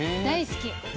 大好き。